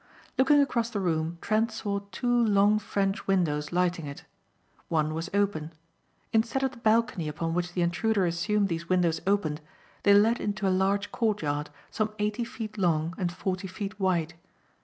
Looking across the room Trent saw two long French windows lighting it. One was open. Instead of the balcony upon which the intruder assumed these windows opened, they led into a large courtyard some eighty feet long and forty feet wide.